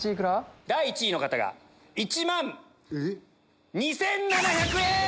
第１位の方が１万２７００円！